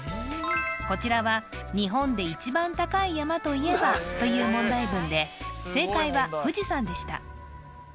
こちらは「日本で１番高い山といえば？」という問題文で正解は「富士山」でした